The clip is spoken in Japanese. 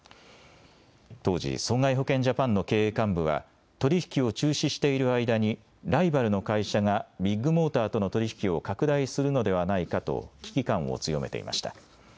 当時、損害保険ジャパンの経営幹部は取り引きを中止している間にライバルの会社がビッグモーターとの取り引きを拡大するのではないかと危機感を強めていました。